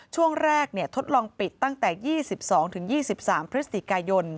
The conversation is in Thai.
ช่วงแรกทดลองปิดตั้งแต่๒๒๒๓พค